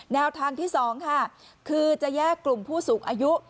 แนวทางที่๒ค่ะคือจะแยกกลุ่มผู้สูงอายุ